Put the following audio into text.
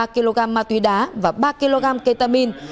ba kg ma túy đá và ba kg ketamine